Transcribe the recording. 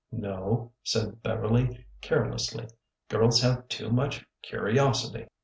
No/^ said Beverly, carelessly, girls have too much curiosity.